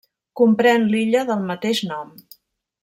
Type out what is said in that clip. Comprèn l'illa del mateix nom.